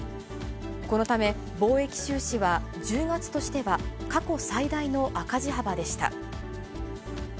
このため貿易収支は、１０月としては過去最大の赤字幅でした。